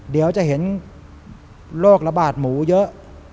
เดี๋ยวจะเห็นโรคระบาดหมูเยอะ